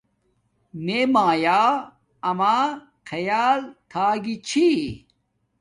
میے مایآ اما خیال تھاگی چھی